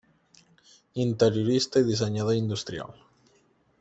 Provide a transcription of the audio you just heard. Interiorista i dissenyador industrial.